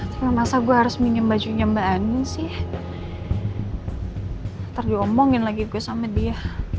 tidak masa gue harus minum bajunya mbak anin sih ntar diomongin lagi gue sama dia